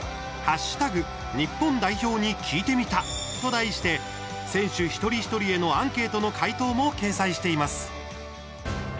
「＃日本代表に聞いてみた」と題して選手一人一人へのアンケートの回答も掲載しています。